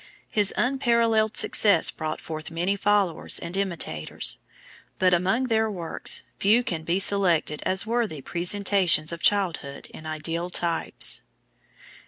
His unparalleled success brought forth many followers and imitators; but among their works few can be selected as worthy presentations of childhood in ideal types.